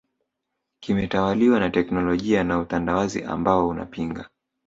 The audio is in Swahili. kimetawaliwa na teknolojia na utandawazi ambao unapinga